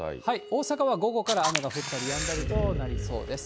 大阪は午後から雨が降ったりやんだりとなりそうです。